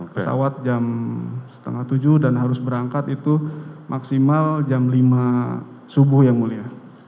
pesawat jam setengah tujuh dan harus berangkat itu maksimal jam lima subuh yang mulia